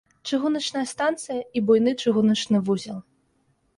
Чыгуначная станцыя і буйны чыгуначны вузел.